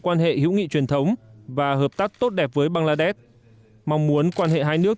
quan hệ hữu nghị truyền thống và hợp tác tốt đẹp với bangladesh mong muốn quan hệ hai nước